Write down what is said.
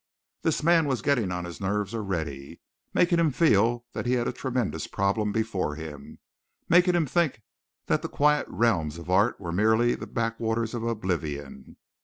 This man was getting on his nerves already, making him feel that he had a tremendous problem before him, making him think that the quiet realms of art were merely the backwaters of oblivion.